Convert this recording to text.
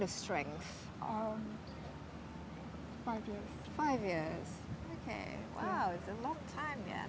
oke wow itu waktu yang panjang